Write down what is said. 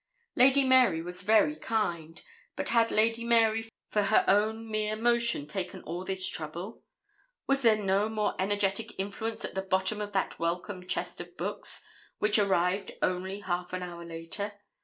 Lady Mary was very kind; but had Lady Mary of her own mere motion taken all this trouble? Was there no more energetic influence at the bottom of that welcome chest of books, which arrived only half an hour later?